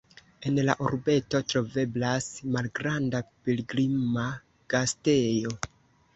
En la urbeto troveblas malgranda pilgrima gastejo.